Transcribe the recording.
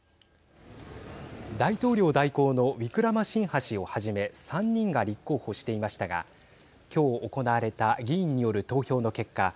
大統領代行のウィクラマシンハ氏をはじめ３人が立候補していましたがきょう、行われた議員による投票の結果